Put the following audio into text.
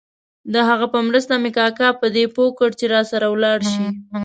د هغه په مرسته مې کاکا په دې پوه کړ چې راسره ولاړ شي.